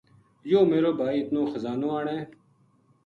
یوہ میرو بھائی اِتنو خزانو آنے